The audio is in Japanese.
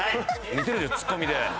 似てるでしょツッコミで。